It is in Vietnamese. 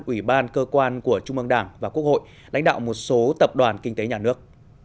ủy ban cơ quan của trung mương đảng và quốc hội lãnh đạo một số tập đoàn kinh tế nhà nước